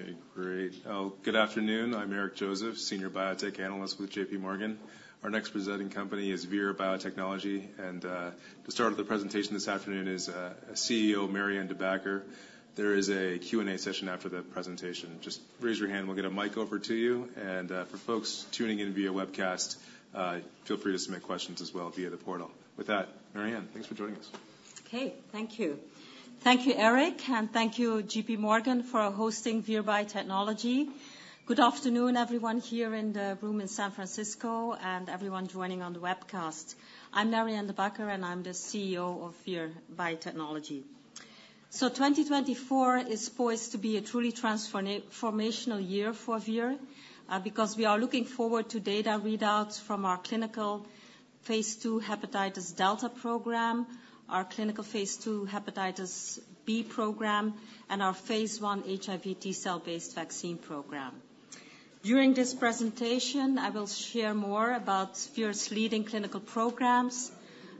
Okay, great. Good afternoon. I'm Eric Joseph, Senior Biotech Analyst with J.P. Morgan. Our next presenting company is Vir Biotechnology, and to start the presentation this afternoon is CEO Marianne De Backer. There is a Q&A session after the presentation. Just raise your hand, we'll get a mic over to you, and for folks tuning in via webcast, feel free to submit questions as well via the portal. With that, Marianne, thanks for joining us. Okay. Thank you. Thank you, Eric, and thank you, J.P. Morgan, for hosting Vir Biotechnology. Good afternoon, everyone here in the room in San Francisco and everyone joining on the webcast. I'm Marianne De Backer, and I'm the CEO of Vir Biotechnology. So 2024 is poised to be a truly transformational year for Vir, because we are looking forward to data readouts from our clinical phase II hepatitis delta program, our clinical phase II hepatitis B program, and our phase I HIV T cell-based vaccine program. During this presentation, I will share more about Vir's leading clinical programs,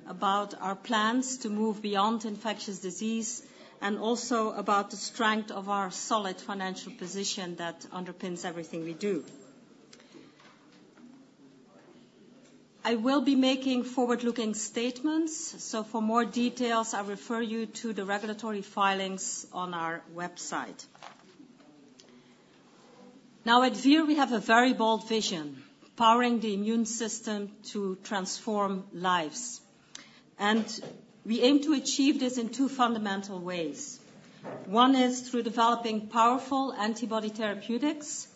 about our plans to move beyond infectious disease, and also about the strength of our solid financial position that underpins everything we do. I will be making forward-looking statements, so for more details, I refer you to the regulatory filings on our website. Now, at Vir, we have a very bold vision, powering the immune system to transform lives, and we aim to achieve this in two fundamental ways. One is through developing powerful antibody therapeutics,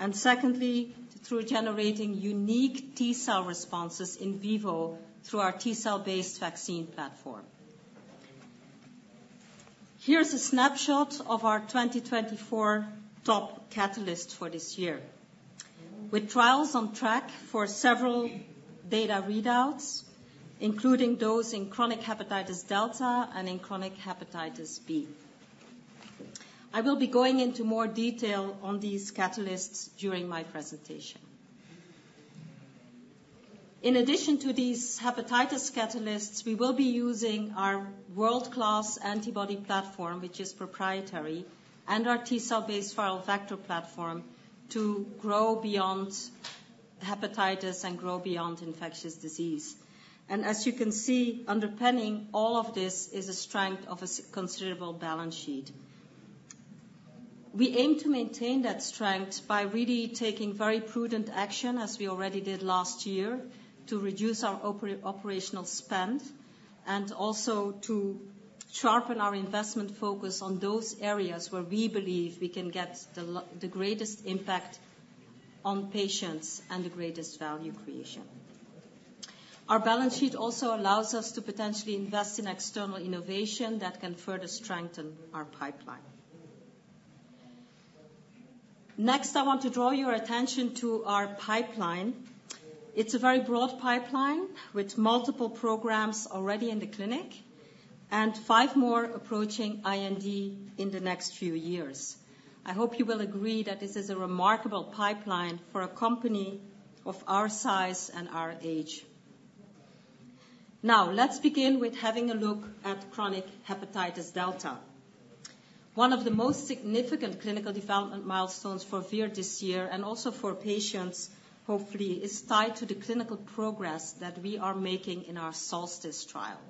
and secondly, through generating unique T cell responses in vivo through our T cell-based vaccine platform. Here's a snapshot of our 2024 top catalysts for this year. With trials on track for several data readouts, including those in chronic hepatitis delta and in chronic hepatitis B. I will be going into more detail on these catalysts during my presentation. In addition to these hepatitis catalysts, we will be using our world-class antibody platform, which is proprietary, and our T cell-based viral vector platform, to grow beyond hepatitis and grow beyond infectious disease. And as you can see, underpinning all of this is a strength of a considerable balance sheet. We aim to maintain that strength by really taking very prudent action, as we already did last year, to reduce our operational spend, and also to sharpen our investment focus on those areas where we believe we can get the greatest impact on patients and the greatest value creation. Our balance sheet also allows us to potentially invest in external innovation that can further strengthen our pipeline. Next, I want to draw your attention to our pipeline. It's a very broad pipeline with multiple programs already in the clinic, and five more approaching IND in the next few years. I hope you will agree that this is a remarkable pipeline for a company of our size and our age. Now, let's begin with having a look at chronic hepatitis delta. One of the most significant clinical development milestones for Vir this year, and also for patients, hopefully, is tied to the clinical progress that we are making in our SOLSTICE trial.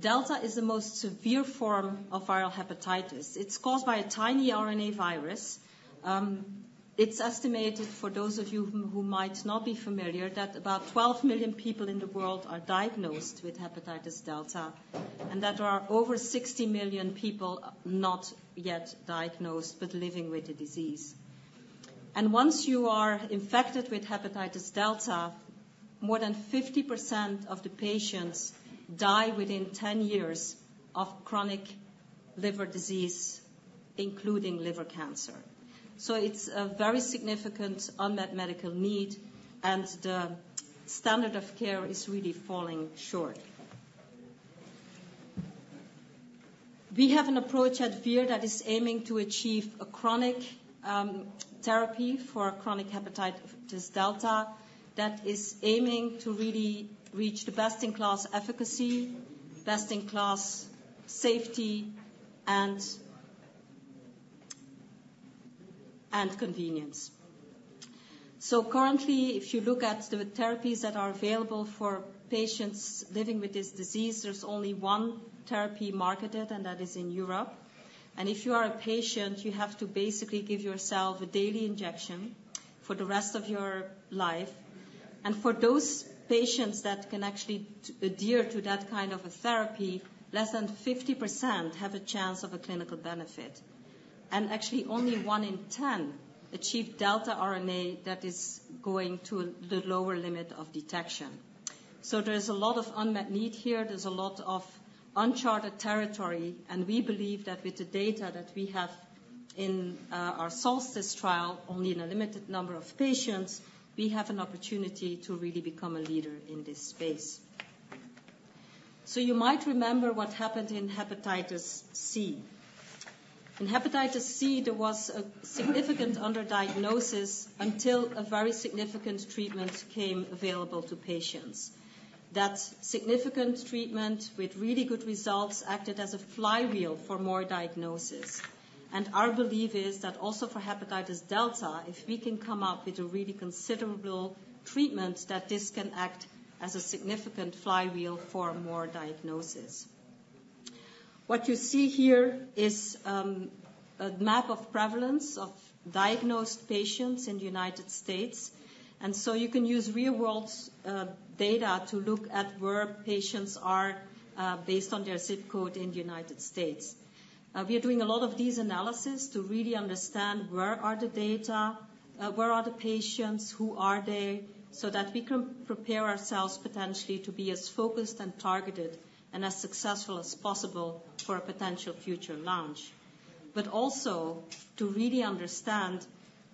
Delta is the most severe form of viral hepatitis. It's caused by a tiny RNA virus. It's estimated, for those of you who, who might not be familiar, that about 12 million people in the world are diagnosed with hepatitis delta, and that there are over 60 million people not yet diagnosed, but living with the disease. And once you are infected with hepatitis delta, more than 50% of the patients die within 10 years of chronic liver disease, including liver cancer. So it's a very significant unmet medical need, and the standard of care is really falling short. We have an approach at Vir that is aiming to achieve a chronic therapy for chronic hepatitis delta that is aiming to really reach the best-in-class efficacy, best-in-class safety, and convenience. So currently, if you look at the therapies that are available for patients living with this disease, there's only one therapy marketed, and that is in Europe. And if you are a patient, you have to basically give yourself a daily injection for the rest of your life. And for those patients that can actually adhere to that kind of a therapy, less than 50% have a chance of a clinical benefit. And actually, only one in ten achieve delta RNA that is going to the lower limit of detection. So there's a lot of unmet need here. There's a lot of uncharted territory, and we believe that with the data that we have in our SOLSTICE trial, only in a limited number of patients, we have an opportunity to really become a leader in this space. So you might remember what happened in hepatitis C. In hepatitis C, there was a significant underdiagnosis until a very significant treatment came available to patients. That significant treatment with really good results acted as a flywheel for more diagnosis. Our belief is that also for hepatitis delta, if we can come up with a really considerable treatment, that this can act as a significant flywheel for more diagnosis. What you see here is a map of prevalence of diagnosed patients in the United States. You can use real-world data to look at where patients are based on their zip code in the United States. We are doing a lot of these analysis to really understand where are the data, where are the patients, who are they, so that we can prepare ourselves potentially to be as focused and targeted and as successful as possible for a potential future launch. But also to really understand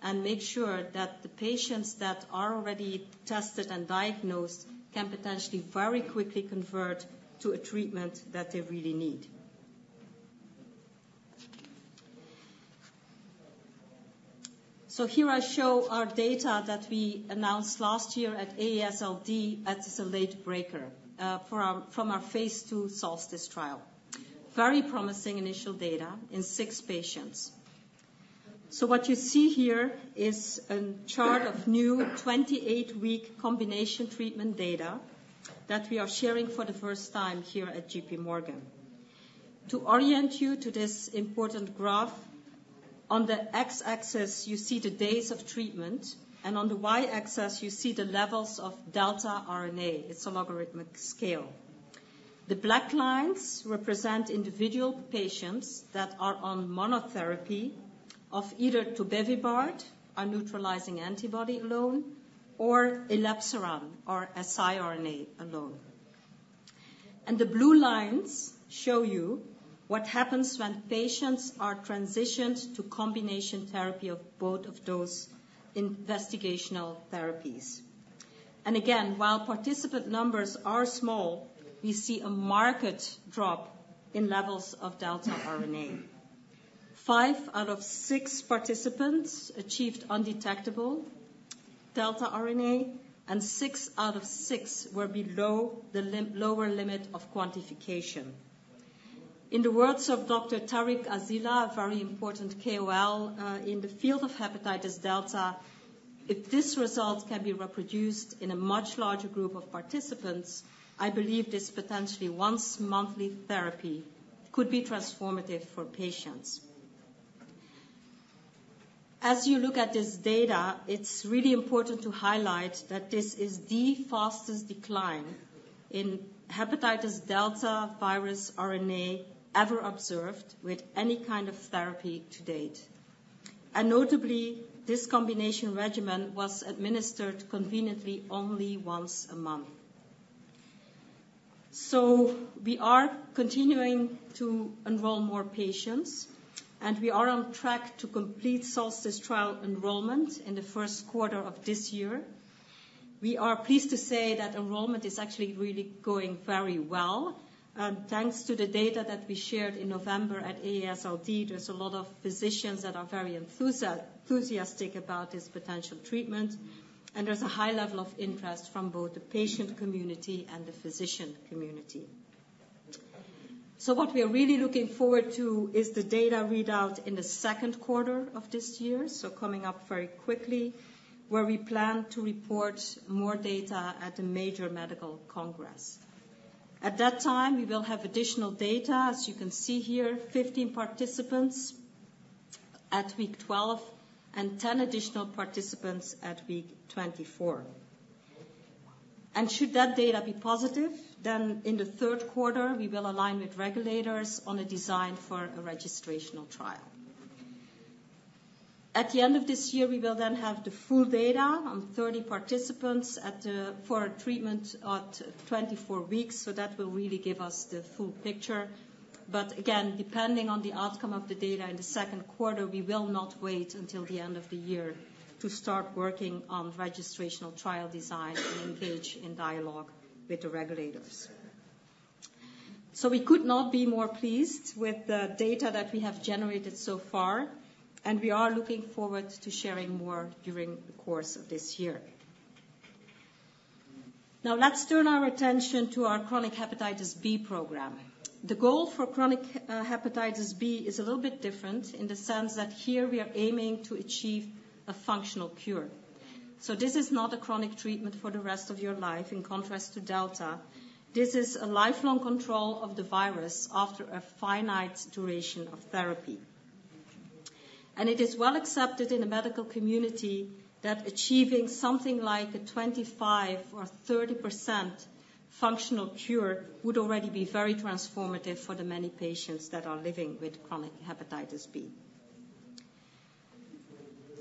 and make sure that the patients that are already tested and diagnosed can potentially very quickly convert to a treatment that they really need. So here I show our data that we announced last year at AASLD as a late-breaker, for our-- from our phase II SOLSTICE trial. Very promising initial data in six patients. So what you see here is a chart of new 28-week combination treatment data that we are sharing for the first time here at J.P. Morgan. To orient you to this important graph, on the X-axis, you see the days of treatment, and on the Y-axis, you see the levels of delta RNA. It's a logarithmic scale. The black lines represent individual patients that are on monotherapy of either tobevibart, a neutralizing antibody alone, or elebsiran, or a siRNA alone. And the blue lines show you what happens when patients are transitioned to combination therapy of both of those investigational therapies. And again, while participant numbers are small, we see a marked drop in levels of delta RNA. Five out of six participants achieved undetectable delta RNA, and six out of six were below the lim... lower limit of quantification. In the words of Dr. Tarik Asselah, a very important KOL in the field of hepatitis delta, "If this result can be reproduced in a much larger group of participants, I believe this potentially once-monthly therapy could be transformative for patients." As you look at this data, it's really important to highlight that this is the fastest decline in hepatitis delta virus RNA ever observed with any kind of therapy to date. Notably, this combination regimen was administered conveniently only once a month. We are continuing to enroll more patients, and we are on track to complete SOLSTICE trial enrollment in the first quarter of this year. We are pleased to say that enrollment is actually really going very well. Thanks to the data that we shared in November at AASLD, there's a lot of physicians that are very enthusiastic about this potential treatment, and there's a high level of interest from both the patient community and the physician community. So what we are really looking forward to is the data readout in the second quarter of this year, so coming up very quickly, where we plan to report more data at a major medical congress. At that time, we will have additional data. As you can see here, 15 participants at week 12 and 10 additional participants at week 24. Should that data be positive, then in the third quarter, we will align with regulators on a design for a registrational trial. At the end of this year, we will then have the full data on 30 participants at the—for a treatment out to 24 weeks, so that will really give us the full picture. But again, depending on the outcome of the data in the second quarter, we will not wait until the end of the year to start working on registrational trial design and engage in dialogue with the regulators. So we could not be more pleased with the data that we have generated so far, and we are looking forward to sharing more during the course of this year. Now, let's turn our attention to our chronic hepatitis B program. The goal for chronic hepatitis B is a little bit different in the sense that here we are aiming to achieve a functional cure. So this is not a chronic treatment for the rest of your life, in contrast to delta. This is a lifelong control of the virus after a finite duration of therapy. And it is well accepted in the medical community that achieving something like a 25% or 30% functional cure would already be very transformative for the many patients that are living with chronic hepatitis B.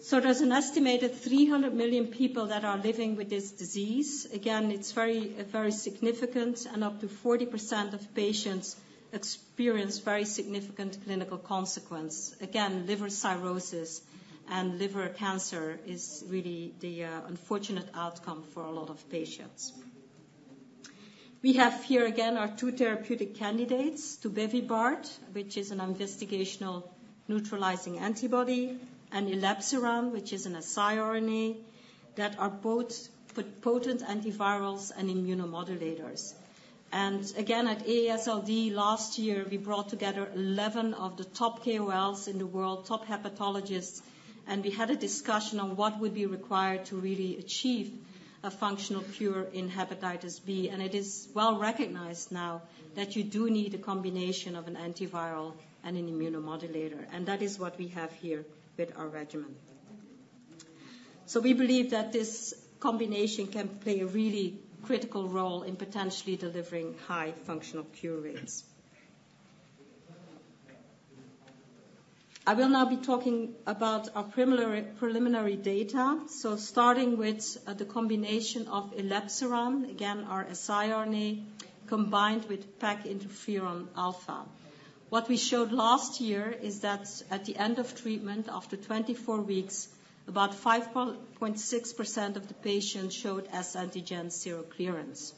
So there's an estimated 300 million people that are living with this disease. Again, it's very, very significant, and up to 40% of patients experience very significant clinical consequence. Again, liver cirrhosis and liver cancer is really the unfortunate outcome for a lot of patients. We have here again, our two therapeutic candidates, tobevibart, which is an investigational neutralizing antibody and elebsiran, which is an siRNA, that are both potent antivirals and immunomodulators. Again, at AASLD last year, we brought together 11 of the top KOLs in the world, top hepatologists, and we had a discussion on what would be required to really achieve a functional cure in hepatitis B. It is well recognized now that you do need a combination of an antiviral and an immunomodulator, and that is what we have here with our regimen. So we believe that this combination can play a really critical role in potentially delivering high functional cure rates. I will now be talking about our preliminary data. So starting with the combination of elebsiran, again, our siRNA, combined with peginterferon alpha. What we showed last year is that at the end of treatment, after 24 weeks, about 5.6% of the patients showed HBsAg seroclearance.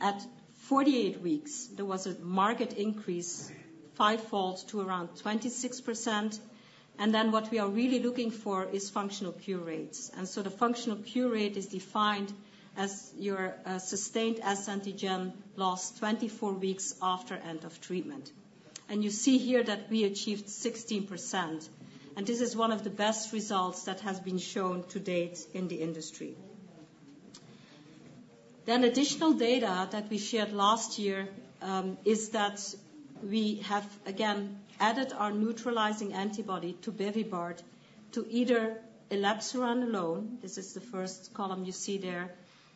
At 48 weeks, there was a marked increase, fivefold to around 26%. Then what we are really looking for is functional cure rates. And so the functional cure rate is defined as your sustained S antigen loss 24 weeks after end of treatment. And you see here that we achieved 16%, and this is one of the best results that has been shown to date in the industry. Then additional data that we shared last year is that we have, again, added our neutralizing antibody tobevibart to either elebsiran alone, this is the first column you see there,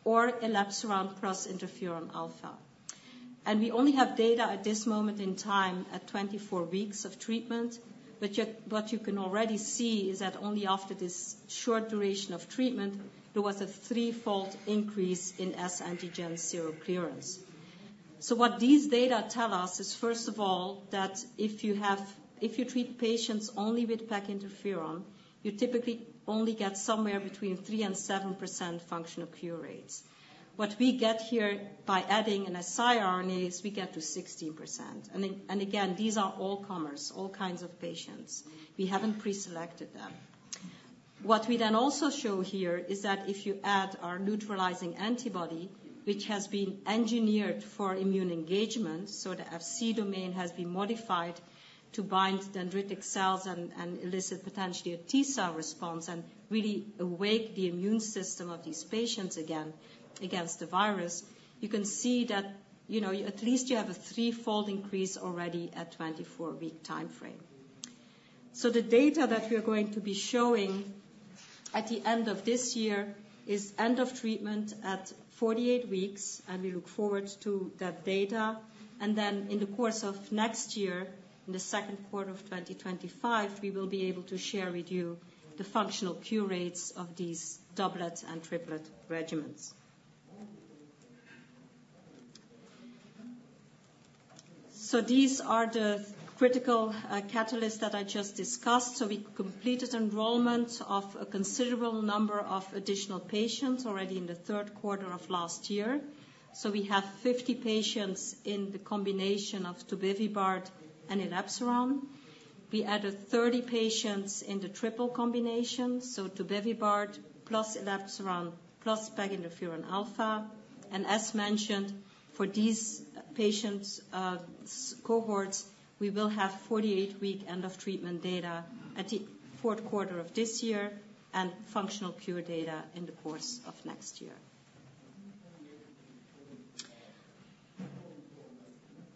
or elebsiran plus interferon alpha. And we only have data at this moment in time at 24 weeks of treatment. But you... What you can already see is that only after this short duration of treatment, there was a threefold increase in S antigen seroclearance. So what these data tell us is, first of all, that if you have—if you treat patients only with peginterferon, you typically only get somewhere between 3%-7% functional cure rates. What we get here by adding an siRNA is we get to 16%. And again, these are all comers, all kinds of patients. We haven't preselected them. What we then also show here is that if you add our neutralizing antibody, which has been engineered for immune engagement, so the Fc domain has been modified to bind dendritic cells and elicit potentially a T cell response and really awake the immune system of these patients again against the virus, you can see that, you know, at least you have a threefold increase already at 24-week time frame. So the data that we are going to be showing at the end of this year is end of treatment at 48 weeks, and we look forward to that data. And then in the course of next year, in the second quarter of 2025, we will be able to share with you the functional cure rates of these doublet and triplet regimens. So these are the critical catalysts that I just discussed. So we completed enrollment of a considerable number of additional patients already in the third quarter of last year. So we have 50 patients in the combination of tobevibart and elebsiran. We added 30 patients in the triple combination, so tobevibart, plus elebsiran, plus peginterferon alpha. As mentioned, for these patients, cohorts, we will have 48-week end of treatment data at the fourth quarter of this year and functional cure data in the course of next year.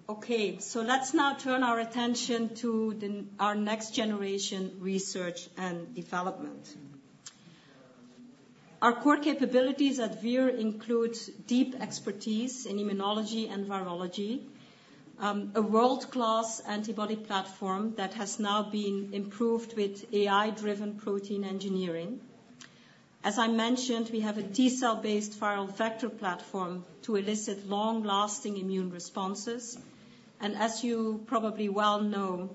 Okay, so let's now turn our attention to our next generation research and development. Our core capabilities at Vir include deep expertise in immunology and virology, a world-class antibody platform that has now been improved with AI-driven protein engineering. As I mentioned, we have a T-cell-based viral vector platform to elicit long-lasting immune responses. And as you probably well know,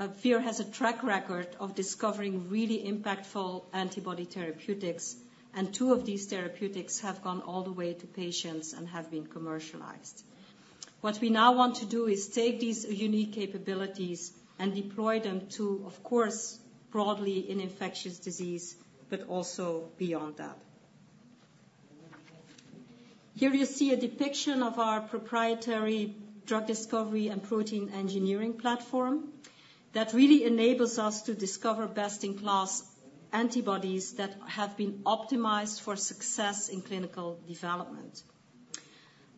Vir has a track record of discovering really impactful antibody therapeutics, and two of these therapeutics have gone all the way to patients and have been commercialized. What we now want to do is take these unique capabilities and deploy them to, of course, broadly in infectious disease, but also beyond that. Here you see a depiction of our proprietary drug discovery and protein engineering platform that really enables us to discover best-in-class antibodies that have been optimized for success in clinical development.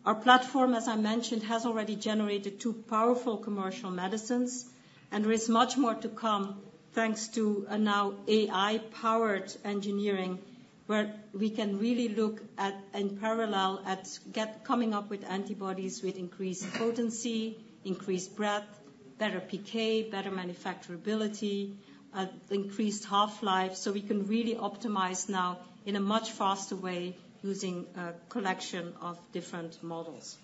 Our platform, as I mentioned, has already generated two powerful commercial medicines, and there is much more to come, thanks to a now AI-powered engineering, where we can really look at, in parallel, at coming up with antibodies with increased potency, increased breadth, better PK, better manufacturability, increased half-life. So we can really optimize now in a much faster way, using a collection of different models.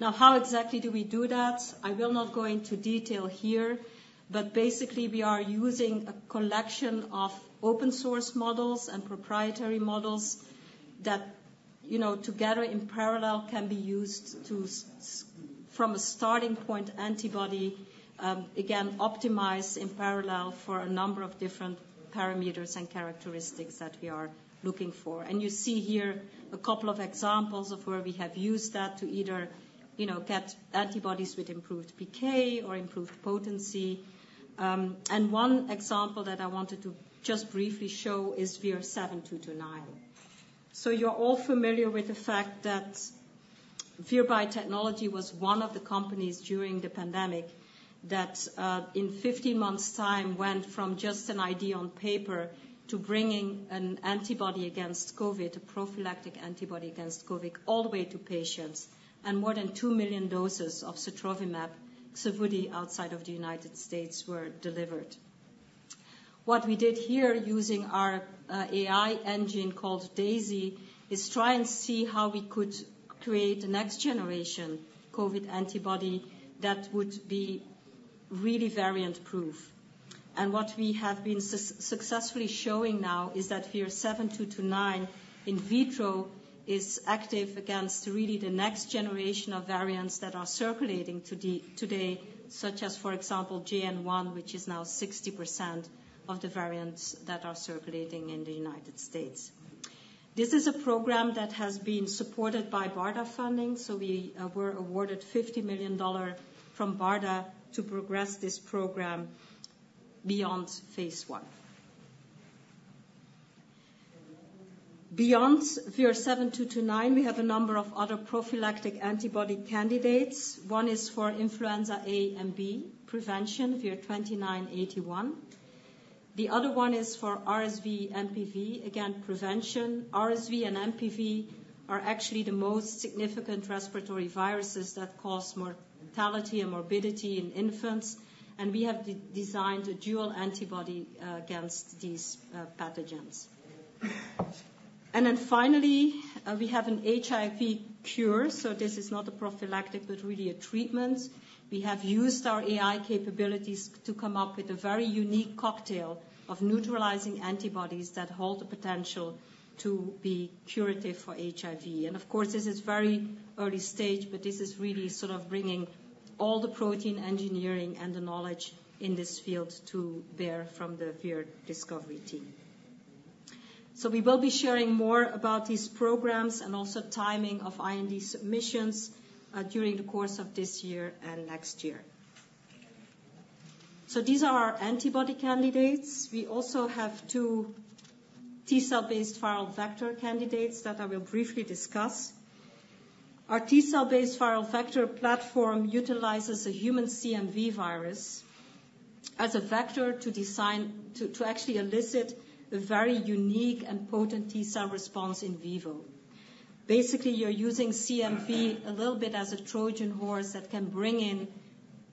Now, how exactly do we do that? I will not go into detail here, but basically, we are using a collection of open source models and proprietary models that-... You know, together in parallel can be used to from a starting point antibody, again, optimized in parallel for a number of different parameters and characteristics that we are looking for. And you see here a couple of examples of where we have used that to either, you know, get antibodies with improved PK or improved potency. And one example that I wanted to just briefly show is VIR-7229. So you're all familiar with the fact that Vir Biotechnology was one of the companies during the pandemic that, in 15 months' time, went from just an idea on paper to bringing an antibody against COVID, a prophylactic antibody against COVID, all the way to patients. And more than 2 million doses of sotrovimab, Xevudy, outside of the United States, were delivered. What we did here, using our AI engine called Daisy, is try and see how we could create the next generation COVID antibody that would be really variant-proof. And what we have been successfully showing now is that VIR-7229, in vitro, is active against really the next generation of variants that are circulating today, such as, for example, JN.1, which is now 60% of the variants that are circulating in the United States. This is a program that has been supported by BARDA funding, so we were awarded $50 million from BARDA to progress this program beyond phase I. Beyond VIR-7229, we have a number of other prophylactic antibody candidates. One is for influenza A and B prevention, VIR-2981. The other one is for RSV, MPV, again, prevention. RSV and MPV are actually the most significant respiratory viruses that cause mortality and morbidity in infants, and we have designed a dual antibody against these pathogens. And then finally, we have an HIV cure, so this is not a prophylactic, but really a treatment. We have used our AI capabilities to come up with a very unique cocktail of neutralizing antibodies that hold the potential to be curative for HIV. And of course, this is very early stage, but this is really sort of bringing all the protein engineering and the knowledge in this field to bear from the Vir discovery team. So we will be sharing more about these programs and also timing of IND submissions during the course of this year and next year. So these are our antibody candidates. We also have 2 T-cell based viral vector candidates that I will briefly discuss. Our T-cell based viral vector platform utilizes a human CMV virus as a vector to actually elicit a very unique and potent T-cell response in vivo. Basically, you're using CMV a little bit as a Trojan horse that can bring in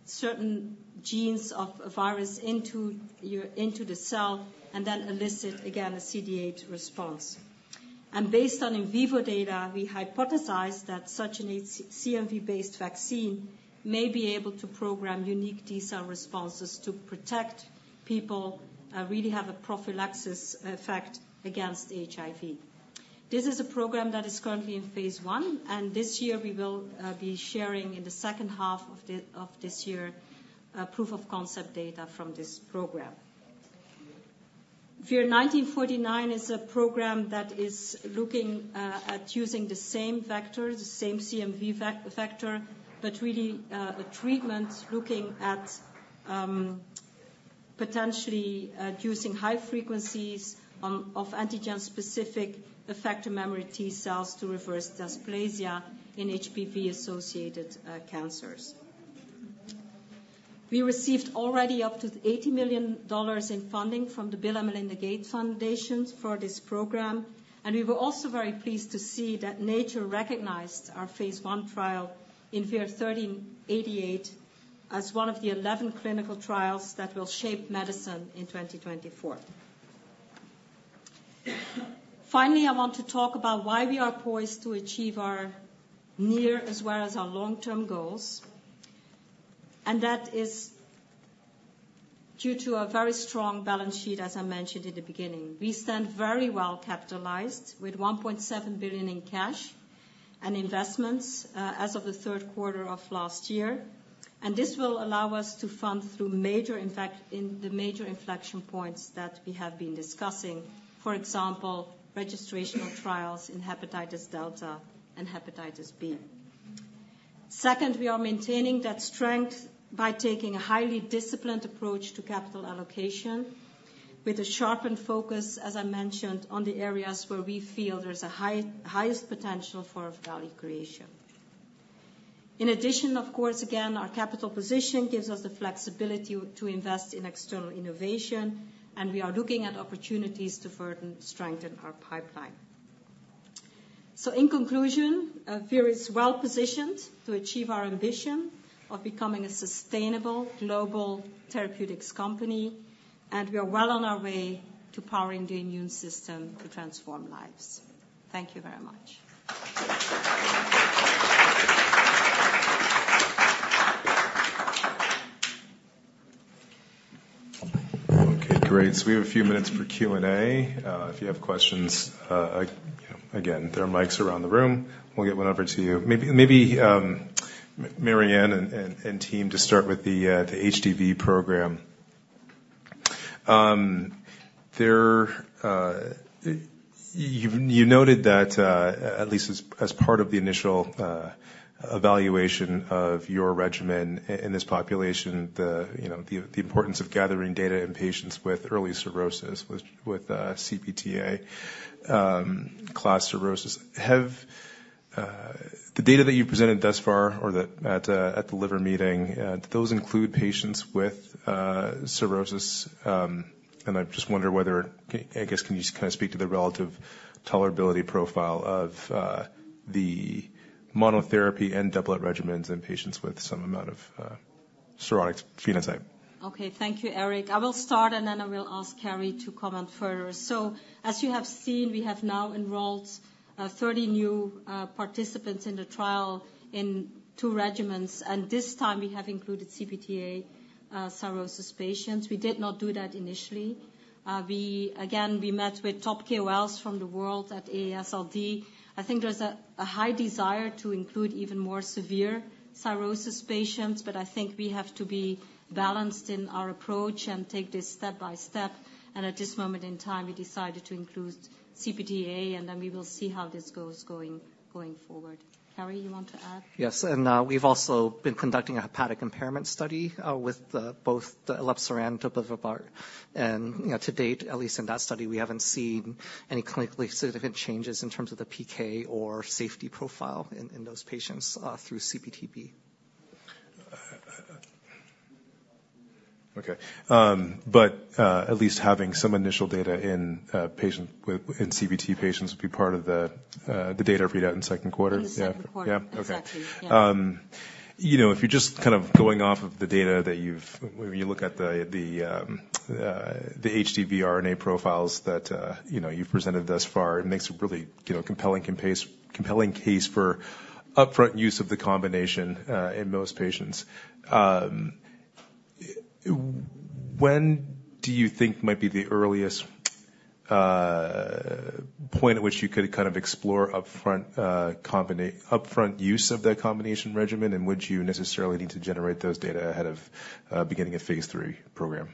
certain genes of a virus into the cell, and then elicit, again, a CD8 response. Based on in vivo data, we hypothesized that such a CMV-based vaccine may be able to program unique T-cell responses to protect people, really have a prophylaxis effect against HIV. This is a program that is currently in phase I, and this year we will be sharing, in the second half of this year, proof of concept data from this program. VIR-1949 is a program that is looking at using the same vector, the same CMV vector, but really a treatment looking at potentially using high frequencies of antigen-specific effector memory T-cells to reverse dysplasia in HPV-associated cancers. We received already up to $80 million in funding from the Bill and Melinda Gates Foundation for this program, and we were also very pleased to see that Nature recognized our phase I trial in VIR-1388 as one of the 11 clinical trials that will shape medicine in 2024. Finally, I want to talk about why we are poised to achieve our near, as well as our long-term goals, and that is due to a very strong balance sheet, as I mentioned in the beginning. We stand very well capitalized with $1.7 billion in cash and investments, as of the third quarter of last year, and this will allow us to fund through major inflection points that we have been discussing, for example, registrational trials in hepatitis delta and hepatitis B. Second, we are maintaining that strength by taking a highly disciplined approach to capital allocation, with a sharpened focus, as I mentioned, on the areas where we feel there's a highest potential for value creation. In addition, of course, again, our capital position gives us the flexibility to invest in external innovation, and we are looking at opportunities to further strengthen our pipeline. So in conclusion, Vir is well positioned to achieve our ambition of becoming a sustainable global therapeutics company, and we are well on our way to powering the immune system to transform lives. Thank you very much. Great, so we have a few minutes for Q&A. If you have questions, again, there are mics around the room. We'll get one over to you. Maybe Marianne and team to start with the HDV program. There, you noted that, at least as part of the initial evaluation of your regimen in this population, you know, the importance of gathering data in patients with early cirrhosis, with CPT-A class cirrhosis. Have the data that you presented thus far or that at the Liver Meeting, those include patients with cirrhosis, and I just wonder whether... I guess, can you just kind of speak to the relative tolerability profile of the monotherapy and doublet regimens in patients with some amount of cirrhotic phenotype? Okay. Thank you, Eric. I will start, and then I will ask Carey to comment further. As you have seen, we have now enrolled 30 new participants in the trial in two regimens, and this time we have included CPT-A cirrhosis patients. We did not do that initially. We again met with top KOLs from the world at AASLD. I think there's a high desire to include even more severe cirrhosis patients, but I think we have to be balanced in our approach and take this step by step. At this moment in time, we decided to include CPT-A, and then we will see how this goes going forward. Carey, you want to add? Yes, and, we've also been conducting a hepatic impairment study with both the elebsiran and tobevibart. And, you know, to date, at least in that study, we haven't seen any clinically significant changes in terms of the PK or safety profile in those patients through CPT-B. Okay. But at least having some initial data in patients with CHD would be part of the data readout in second quarter? In the second quarter. Yeah. Okay. Exactly, yeah. You know, if you're just kind of going off of the data, when you look at the HDV RNA profiles that you know you've presented thus far, it makes a really, you know, compelling case for upfront use of the combination in most patients. When do you think might be the earliest point at which you could kind of explore upfront use of that combination regimen, in which you necessarily need to generate those data ahead of beginning a phase III program?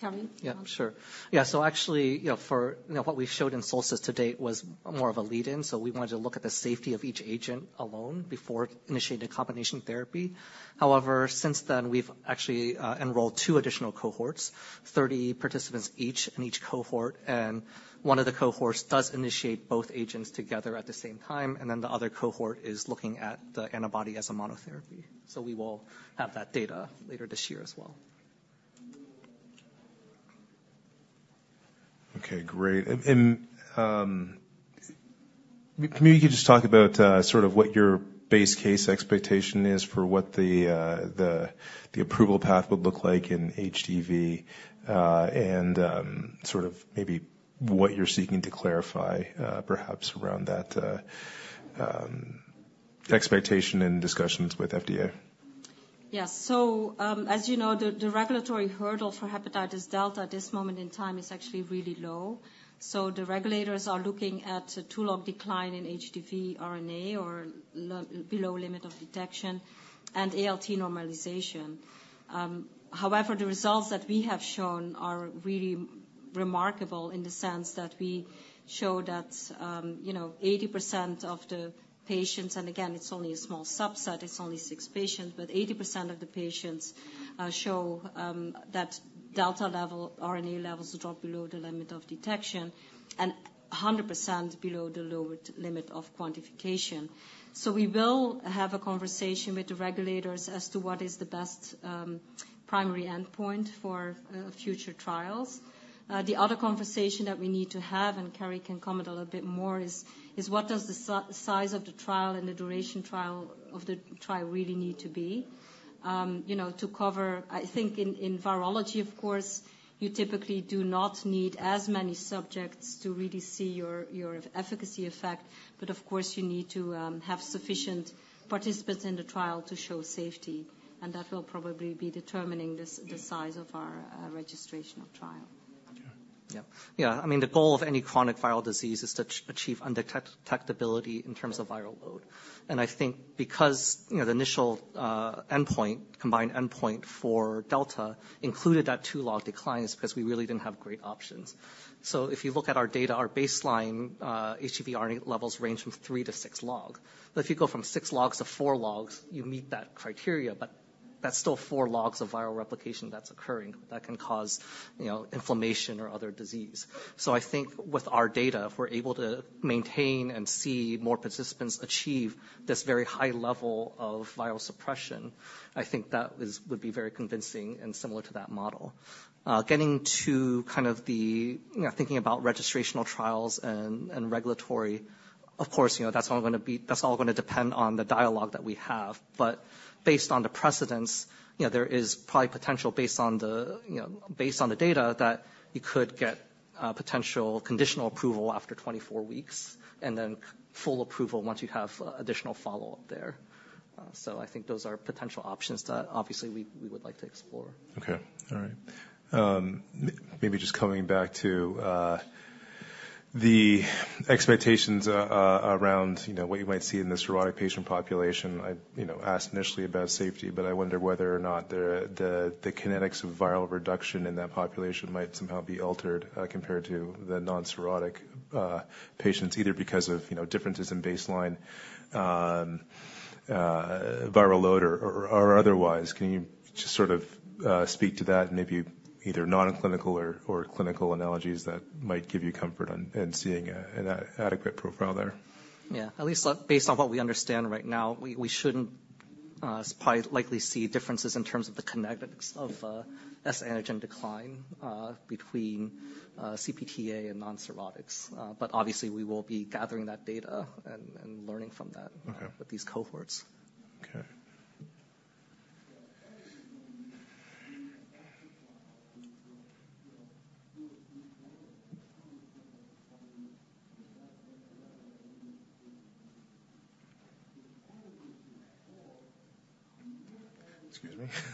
Carey? Yeah, sure. Yeah, so actually, you know, for what we showed in SOLSTICE to date was more of a lead in, so we wanted to look at the safety of each agent alone before initiating a combination therapy. However, since then, we've actually enrolled 2 additional cohorts, 30 participants each in each cohort, and one of the cohorts does initiate both agents together at the same time, and then the other cohort is looking at the antibody as a monotherapy. So we will have that data later this year as well. Okay, great. And can you just talk about sort of what your base case expectation is for what the approval path would look like in HDV? And sort of maybe what you're seeking to clarify perhaps around that expectation and discussions with FDA. Yes. So, as you know, the regulatory hurdle for hepatitis delta at this moment in time is actually really low. So the regulators are looking at a two-log decline in HDV RNA or below limit of detection and ALT normalization. However, the results that we have shown are really remarkable in the sense that we show that, you know, 80% of the patients, and again, it's only a small subset, it's only 6 patients, but 80% of the patients show that HDV RNA levels drop below the limit of detection and 100% below the lower limit of quantification. So we will have a conversation with the regulators as to what is the best primary endpoint for future trials. The other conversation that we need to have, and Carey can comment a little bit more, is what does the size of the trial and the duration of the trial really need to be? You know, to cover... I think in virology, of course, you typically do not need as many subjects to really see your efficacy effect, but of course, you need to have sufficient participants in the trial to show safety, and that will probably be determining this- Yeah ...the size of our registrational trial. Yeah. Yeah. Yeah, I mean, the goal of any chronic viral disease is to achieve undetectability in terms of viral load. And I think because, you know, the initial endpoint, combined endpoint for delta included that 2-log declines because we really didn't have great options. So if you look at our data, our baseline HDV RNA levels range from 3-6 log. But if you go from 6 logs to 4 logs, you meet that criteria, but that's still 4 logs of viral replication that's occurring that can cause, you know, inflammation or other disease. So I think with our data, if we're able to maintain and see more participants achieve this very high level of viral suppression, I think that would be very convincing and similar to that model. Getting to kind of the, you know, thinking about registrational trials and regulatory, of course, you know, that's all gonna depend on the dialogue that we have. But based on the precedents, you know, there is probably potential based on the, you know, based on the data, that you could get potential conditional approval after 24 weeks, and then full approval once you have additional follow-up there. So I think those are potential options that obviously we would like to explore. Okay. All right. Maybe just coming back to the expectations around, you know, what you might see in the cirrhotic patient population. I, you know, asked initially about safety, but I wonder whether or not the kinetics of viral reduction in that population might somehow be altered compared to the non-cirrhotic patients, either because of, you know, differences in baseline viral load or otherwise. Can you just sort of speak to that and maybe either non-clinical or clinical analogies that might give you comfort on seeing an adequate profile there? Yeah. At least, based on what we understand right now, we shouldn't probably likely see differences in terms of the kinetics of HBsAg decline between CPT-A and non-cirrhotics. But obviously, we will be gathering that data and learning from that- Okay. With these cohorts. Okay.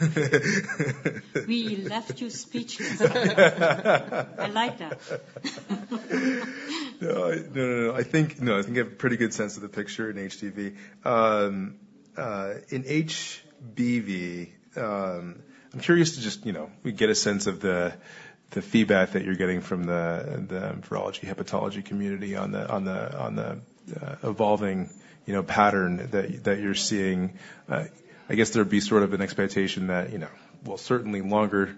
Excuse me. We left you speechless. I like that. No, no, no, I think I have a pretty good sense of the picture in HCV. In HBV, I'm curious to just, you know, get a sense of the feedback that you're getting from the virology hepatology community on the evolving, you know, pattern that you're seeing. I guess there'd be sort of an expectation that, you know, well, certainly longer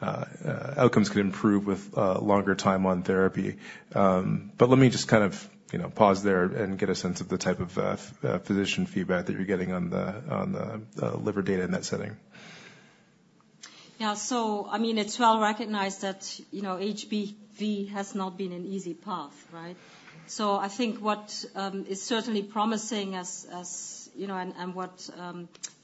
outcomes could improve with longer time on therapy. But let me just kind of, you know, pause there and get a sense of the type of physician feedback that you're getting on the liver data in that setting. Yeah. So, I mean, it's well recognized that, you know, HBV has not been an easy path, right? So I think what is certainly promising, and what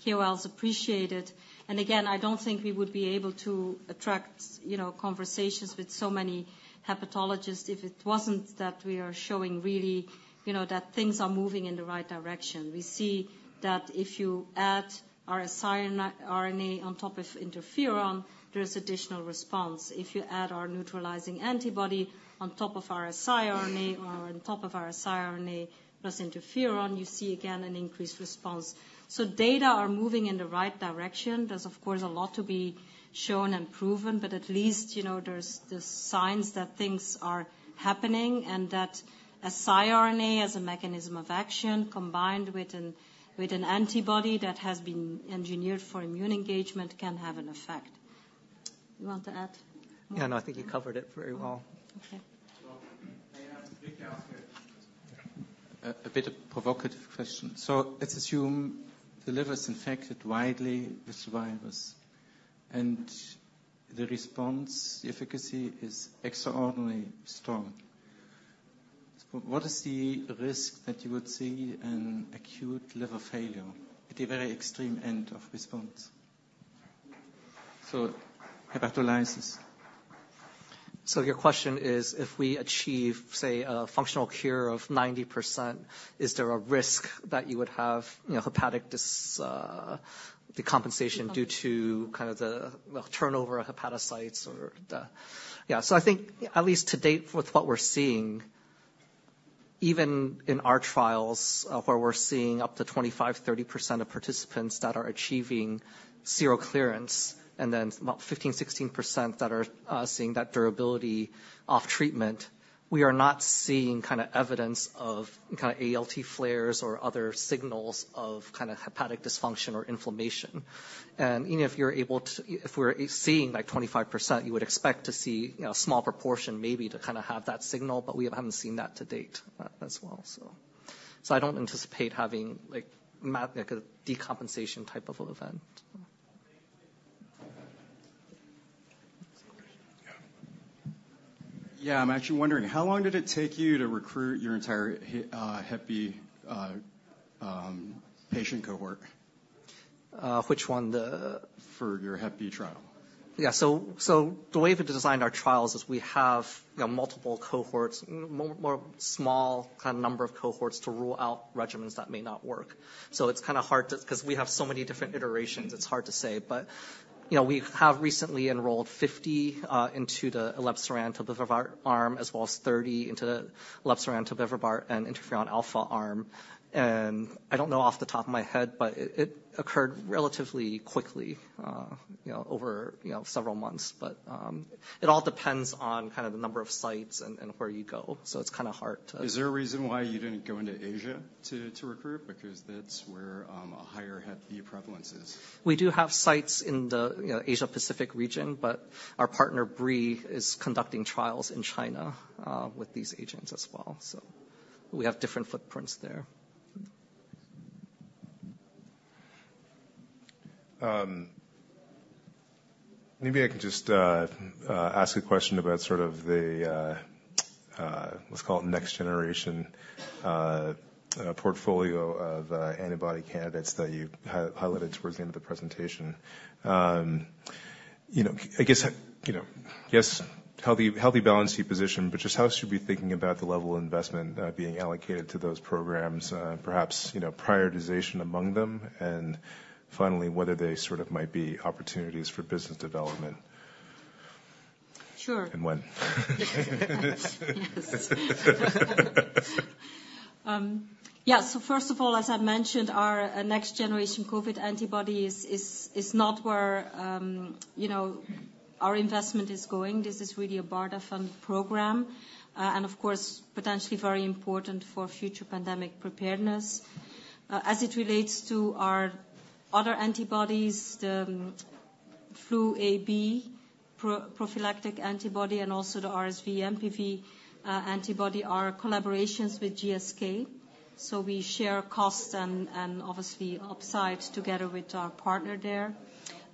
KOLs appreciated... And again, I don't think we would be able to attract, you know, conversations with so many hepatologists if it wasn't that we are showing really, you know, that things are moving in the right direction. We see that if you add our siRNA on top of interferon, there is additional response. If you add our neutralizing antibody on top of our siRNA or on top of our siRNA plus interferon, you see again an increased response. So data are moving in the right direction. There's, of course, a lot to be shown and proven, but at least, you know, there's the signs that things are happening and that a siRNA as a mechanism of action, combined with an antibody that has been engineered for immune engagement, can have an effect. You want to add? Yeah, no, I think you covered it very well. Okay. Well, may I ask a bit of a provocative question? So let's assume the liver is infected widely with the virus, and the response efficacy is extraordinarily strong. What is the risk that you would see an acute liver failure at a very extreme end of response? So, hepatolysis. So your question is, if we achieve, say, a functional cure of 90%, is there a risk that you would have, you know, hepatic decompensation due to kind of the turnover of hepatocytes or the... Yeah. So I think, at least to date, with what we're seeing, even in our trials, where we're seeing up to 25%-30% of participants that are achieving zero clearance, and then about 15%-16% that are seeing that durability off treatment, we are not seeing kind of evidence of kind of ALT flares or other signals of kind of hepatic dysfunction or inflammation. And even if you're able to—if we're seeing, like, 25%, you would expect to see, you know, a small proportion maybe to kind of have that signal, but we haven't seen that to date, as well, so. So I don't anticipate having, like, a decompensation type of event. Thank you. Yeah. Yeah. I'm actually wondering: How long did it take you to recruit your entire hep B patient cohort? Which one? For your hep B trial. Yeah. So the way we designed our trials is we have, you know, multiple cohorts, more small kind of number of cohorts to rule out regimens that may not work. So it's kind of hard to—'cause we have so many different iterations, it's hard to say. But, you know, we have recently enrolled 50 into the elebsiran tobevibart arm, as well as 30 into the elebsiran tobevibart and interferon alpha arm. And I don't know off the top of my head, but it occurred relatively quickly, you know, over several months. But it all depends on kind of the number of sites and where you go, so it's kind of hard to- Is there a reason why you didn't go into Asia to recruit? Because that's where a higher hep B prevalence is. We do have sites in the, you know, Asia-Pacific region, but our partner, Brii, is conducting trials in China with these agents as well. So we have different footprints there. Maybe I could just ask a question about sort of the what's called next generation portfolio of antibody candidates that you highlighted towards the end of the presentation. You know, I guess, you know, yes, healthy balance, your position, but just how should we be thinking about the level of investment being allocated to those programs? Perhaps, you know, prioritization among them, and finally, whether they sort of might be opportunities for business development. Sure. And when? Yes. Yeah, so first of all, as I mentioned, our next generation COVID antibody is not where, you know, our investment is going. This is really a BARDA-funded program, and of course, potentially very important for future pandemic preparedness. As it relates to our other antibodies, the flu A/B prophylactic antibody and also the RSV MPV antibody are collaborations with GSK. So we share costs and obviously, upsides together with our partner there.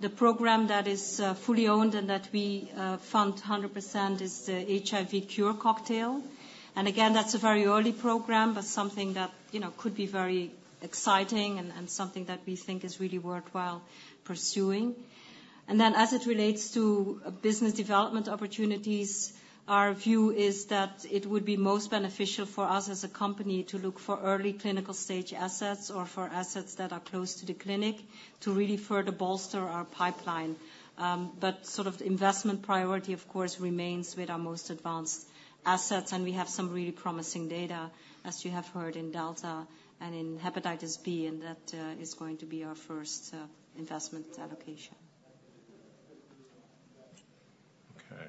The program that is fully owned and that we fund 100% is the HIV cure cocktail. And again, that's a very early program, but something that, you know, could be very exciting and something that we think is really worthwhile pursuing. Then, as it relates to business development opportunities, our view is that it would be most beneficial for us as a company to look for early clinical stage assets or for assets that are close to the clinic to really further bolster our pipeline. But sort of investment priority, of course, remains with our most advanced assets, and we have some really promising data, as you have heard in Delta and in hepatitis B, and that is going to be our first investment allocation. Okay.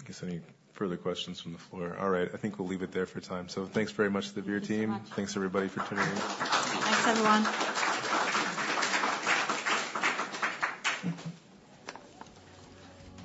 I guess, any further questions from the floor? All right, I think we'll leave it there for time. So thanks very much, the Vir team. Thanks so much. Thanks, everybody, for tuning in. Thanks, everyone.